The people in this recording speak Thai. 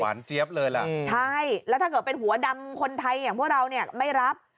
เจี๊ยบเลยล่ะใช่แล้วถ้าเกิดเป็นหัวดำคนไทยอย่างพวกเราเนี่ยไม่รับ